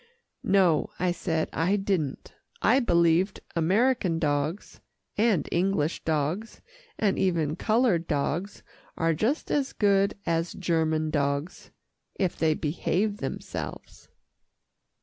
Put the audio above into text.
"No," I said, "I didn't. I believed American dogs, and English dogs, and even coloured dogs, are just as good as German dogs, if they behave themselves."